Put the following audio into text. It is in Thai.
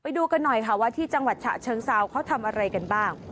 ดูกันหน่อยค่ะว่าที่จังหวัดฉะเชิงเซาเขาทำอะไรกันบ้าง